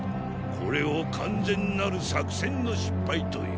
これを完全なる作戦の失敗という。